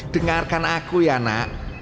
dengarkan aku ya nak